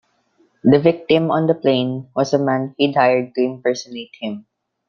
The victim on the plane was a man he'd hired to impersonate him.